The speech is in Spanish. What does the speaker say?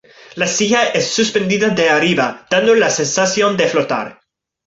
La silla es suspendida de arriba, dando la sensación de flotar.